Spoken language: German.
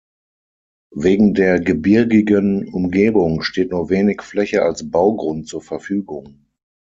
Wegen der gebirgigen Umgebung steht nur wenig Fläche als Baugrund zur Verfügung.